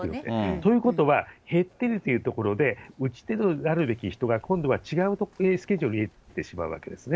ということは、減っているというところで、打ち手のあるべき人が今度は違うスケジュールに入れてしまうわけですね。